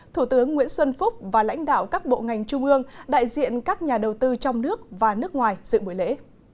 thủ tướng nguyễn xuân phúc và lãnh đạo các bộ ngành trung ương đại diện các nhà đầu tư trong nước và nước ngoài dự buổi lễ